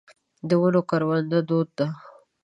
د ونو کرونده دود ده.